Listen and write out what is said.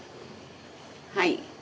はい。